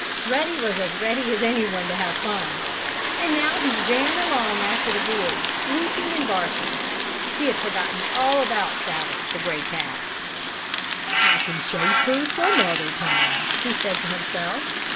Ruddy was as ready as anyone to have fun, and now he ran along after the boys, leaping and barking. He had forgotten all about Sallie, the gray cat. "I can chase her some other time," he said to himself.